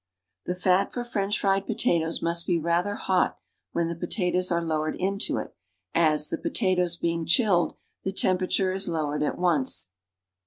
The fat for French fried potatoes nuist be rather hot when the potatoes are lowered into it as, the potatoes being chilled, the temperature is lowered at once.